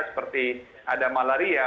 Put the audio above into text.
seperti ada malaria